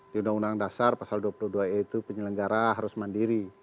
di undang undang dasar pasal dua puluh dua e itu penyelenggara harus mandiri